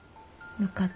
分かった。